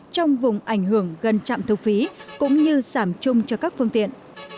trong vùng ảnh hưởng gần trạm thu phí cũng như giảm chung cho các phương tiện